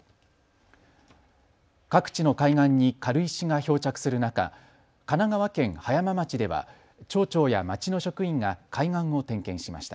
各地の海岸に軽石が漂着する中、神奈川県葉山町では町長や町の職員が海岸を点検しました。